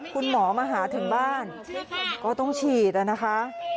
คุณหมอมาหาถึงบ้านก็ต้องฉีดนะคะ